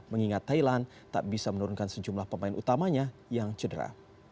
mengingat thailand tak bisa menurunkan sejumlah pemain utamanya yang cedera